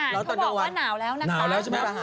เมื่อกี้มีมุกทหารเขาบอกว่าหนาวแล้วนะคะ